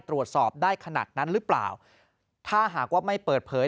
ตรวจสอบได้ขนาดนั้นหรือเปล่าถ้าหากว่าไม่เปิดเผย